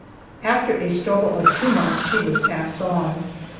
After a struggle of two months she was passed on.